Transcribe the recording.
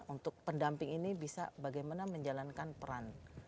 untuk pendamping ini bisa bagaimana menjalankan peran